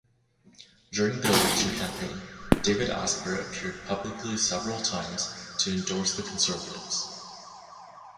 During the election campaign, David Asper appeared publicly several times to endorse the Conservatives.